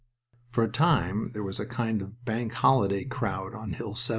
For a time there was a kind of Bank Holiday crowd on Hill 70.